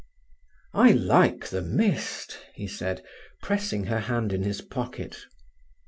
"I like the mist," he said, pressing her hand in his pocket.